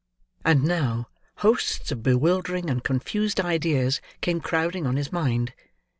And now, hosts of bewildering and confused ideas came crowding on his mind.